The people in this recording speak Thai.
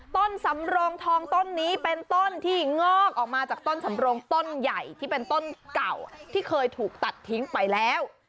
ต้นสำโรงทองต้นนี้เป็นต้นที่งอกออกมาจากต้นสำโรงต้นใหญ่ที่เป็นต้นเก่าที่เคยถูกตัดทิ้งไปแล้ว